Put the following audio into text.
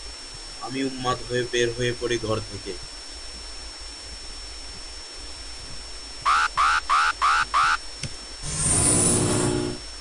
আমি উন্মাদ হয়ে বের হয়ে পড়ি ঘর থেকে।